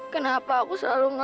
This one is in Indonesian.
cepetan aku lapar nih